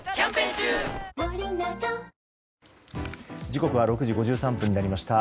時刻は６時５３分になりました。